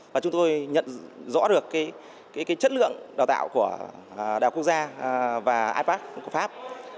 và chúng tôi nhận rõ được chất lượng đào tạo của đại học quốc gia và ipad của pháp